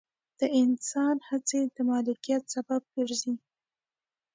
د انسان هڅې د مالکیت سبب ګرځي.